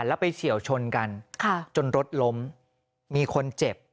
แล้วไปเฉียวชนกันจนรถล้มมีคนเจ็บ